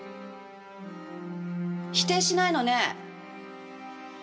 否定しないのね。